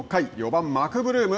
４番マクブルーム。